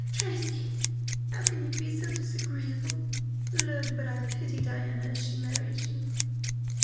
"Tracy, how can you be so disagreeable? Lud! but I pity Diana an she marries you!"